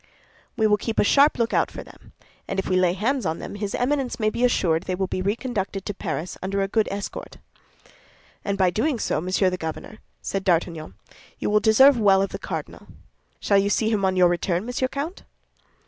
"We will keep a sharp lookout for them; and if we lay hands on them his Eminence may be assured they will be reconducted to Paris under a good escort." "And by doing so, Monsieur the Governor," said D'Artagnan, "you will deserve well of the cardinal." "Shall you see him on your return, Monsieur Count?"